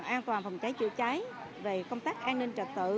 an toàn phòng cháy chữa cháy về công tác an ninh trật tự